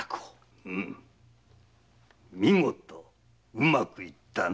見事うまくいったな。